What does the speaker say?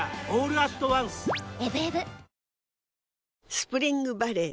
スプリングバレー